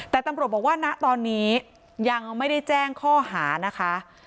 แต่ตำรวจบอกว่าณตอนนี้ยังไม่ได้แจ้งข้อหานะคะ